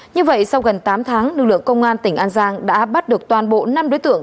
như vậy sau gần tám tháng lực lượng công an tỉnh an giang đã bắt được toàn bộ năm đối tượng